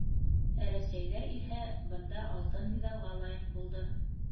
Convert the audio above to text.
Ә рәсәйҙәр иһә бында алтын миҙалға лайыҡ булды.